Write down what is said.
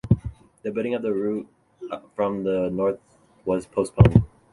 The building of the route from the north was postponed